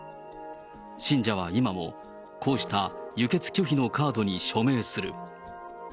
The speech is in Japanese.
信者は今も、こうした輸血拒否のカードに署名する。